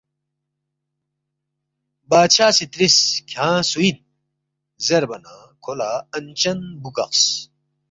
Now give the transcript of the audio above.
بادشاہ سی ترِس، ”کھیانگ سُو اِن؟“ زیربا نہ کھو لہ انچن بُوگقس